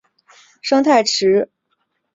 生态池水源主要来自隔壁的生命科学馆。